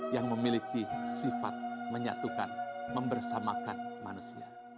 yang memiliki sifat menyatukan membersamakan manusia